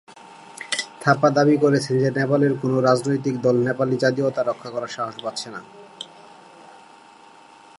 থাপা দাবি করেছেন যে নেপালের কোনও রাজনৈতিক দল নেপালি জাতীয়তা রক্ষা করার সাহস পাচ্ছে না।